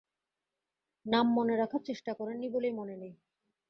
নাম মনে রাখার চেষ্টা করেন নি বলেই মনে নেই।